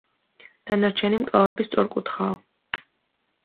დანარჩენი მკლავები სწორკუთხაა.